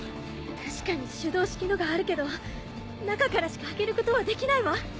確かに手動式のがあるけど中からしか開けることはできないわ。